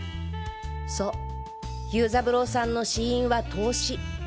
そう游三郎さんの死因は凍死。